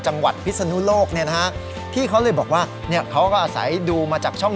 พิศนุโลกเนี่ยนะฮะที่เขาเลยบอกว่าเนี่ยเขาก็อาศัยดูมาจากช่อง